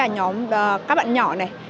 nhóm các bạn nhỏ này